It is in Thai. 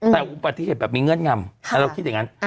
แต่อุปสรรค์อาชิริยะแบบมีเงื่อนงำเราคิดอย่างนั้น